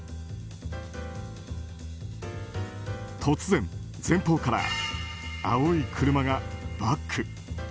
突然、前方から青い車がバック。